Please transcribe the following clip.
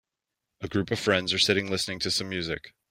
A group of friends are sitting listening to some music.